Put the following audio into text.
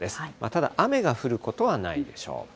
ただ雨が降ることはないでしょう。